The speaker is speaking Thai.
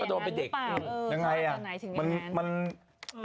อะไรอย่างนั้นอยู่ทางไหนถึงแบบนั้น